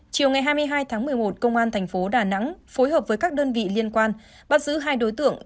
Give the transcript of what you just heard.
chiều ngày hai mươi hai tháng một mươi một công an thành phố đà nẵng phối hợp với các đơn vị liên quan bắt giữ hai đối tượng